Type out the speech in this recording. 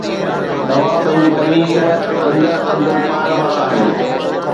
توهان پنهنجي قميص اندر اندر پائڻ وارا آهيو